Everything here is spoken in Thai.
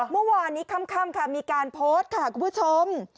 เมื่อวานนี้ค่ำค่ะมีการโพสต์ค่ะคุณผู้ชม